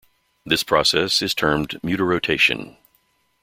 This process is termed mutarotation.